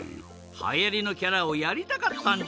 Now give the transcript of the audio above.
はやりのキャラをやりたかったんじゃドン。